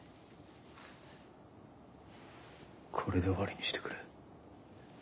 これで終わりにしてくれ。